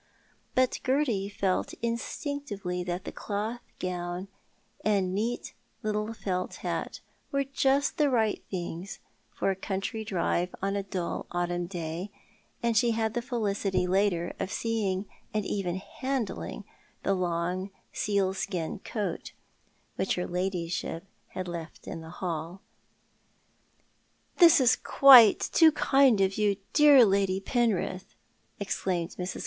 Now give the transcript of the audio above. But Gerty felt in stinctively that the cloth gown and neat little felt hat were just the right things for a country drive on a dull autumn day, and she had the felicity later of seeing and even handling the long sealskin coat which her ladyship had left in the hall. " This is quite too kind of you, dear Lady Penrith," exclaimed Blrs.